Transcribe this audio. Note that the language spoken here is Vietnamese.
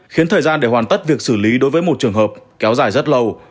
khiến thời gian để hoàn tất việc xử lý đối với một trường hợp kéo dài rất lâu